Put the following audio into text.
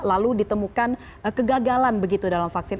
lalu ditemukan kegagalan begitu dalam vaksin